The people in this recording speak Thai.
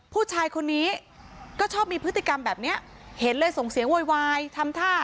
ผู้ชายคนนี้ก็ชอบมีพฤติกรรมแบบนี้เห็นเลยส่งเสียงโวยวายทำท่า